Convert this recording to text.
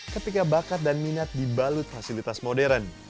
ketika bakat dan minat dibalut fasilitas modern